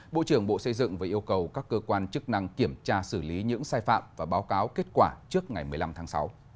bộ trưởng bộ xây dựng vừa yêu cầu các cơ quan chức năng kiểm tra xử lý những sai phạm và báo cáo kết quả trước ngày một mươi năm tháng sáu